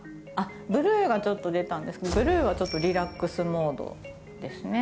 ブルーがちょっと出たんですがブルーはちょっとリラックスモードですね。